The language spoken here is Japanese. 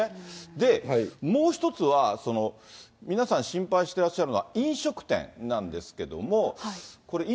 で、もう１つは、皆さん心配してらっしゃるのは飲食店なんですけれども。